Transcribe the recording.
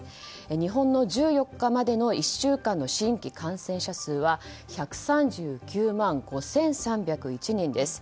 日本の１４日までの１週間の新規感染者数は１３９万５３０１人です。